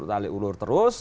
tarik ulur terus